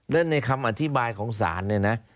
และในคำอธิบายของศาลเนี่ยนะ